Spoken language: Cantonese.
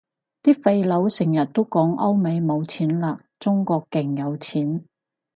啲廢老成日都講歐美冇錢喇，中國勁有錢